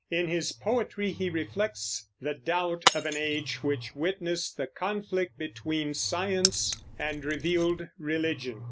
In his poetry he reflects the doubt of an age which witnessed the conflict between science and revealed religion.